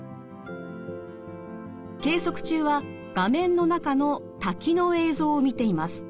計測中は画面の中の滝の映像を見ています。